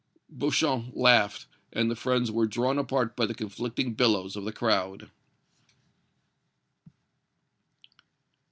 Beauchamp laughed, and the friends were drawn apart by the conflicting billows of the crowd.